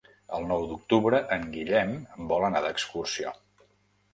El nou d'octubre en Guillem vol anar d'excursió.